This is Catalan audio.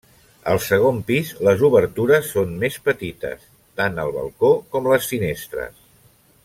Al segon pis les obertures són més petites, tant el balcó com les finestres.